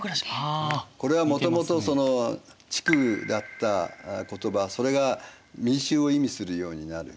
これはもともと「地区」だった言葉それが「民衆」を意味するようになる。